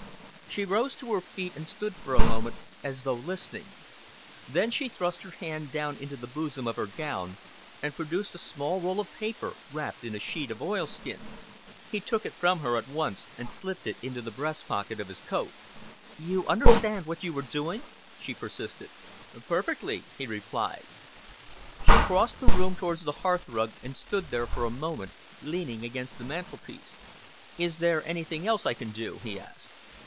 She rose to her feet and stood for a moment as though listening. Then she thrust her hand down into the bosom of her gown and produced a small roll of paper wrapped in a sheet of oilskin. He took it from her at once and slipped it into the breast pocket of his coat. "You understand what you are doing?" she persisted. "Perfectly;" he replied. She crossed the room towards the hearthrug and stood there for a moment, leaning against the mantelpiece. "Is there anything else I can do?" he asked.